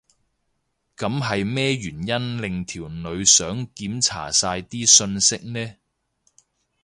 噉係咩原因令條女想檢查晒啲訊息呢？